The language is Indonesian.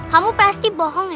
kamu pasti bohong ya